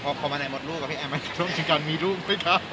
ขอบรรยายหมดลูกกับพี่แอนมันมีลูกไหมคะ